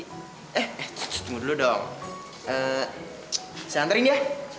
eh ck ck tunggu dulu dong ehm saya anterin ya